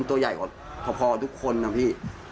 ตัวใหญ่กว่าพอทุกคนนะพี่